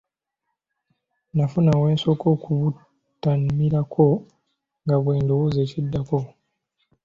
Nafuna we nsooka okubutamirako nga bwe ndowooza ekiddako.